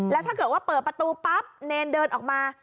แล้วถ้าเกิดว่าเปิดประตูปั๊บเนรเดินออกมา